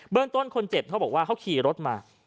ต้นคนเจ็บเขาบอกว่าเขาขี่รถมา